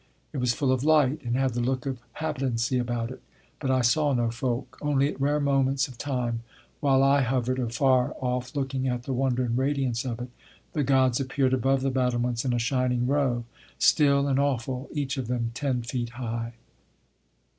It was full of light, and had the look of habitancy about it; but I saw no folk. Only at rare moments of time while I hovered afar off looking at the wonder and radiance of it, the Gods appeared above the battlements in a shining row still and awful, each of them ten feet high.